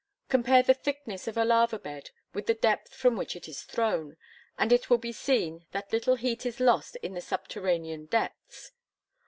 Compare the thickness of a lava bed with the depth from which it is thrown, and it will be seen that little heat is lost in the subterranean depths.